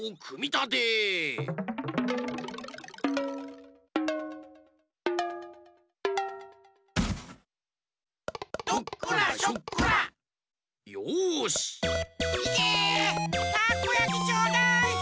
たこやきちょうだい！